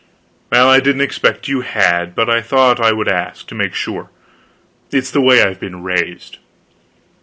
"Well, I didn't expect you had, but I thought I would ask, to make sure; it's the way I've been raised.